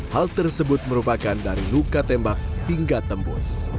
hal tersebut merupakan dari luka tembak hingga tembus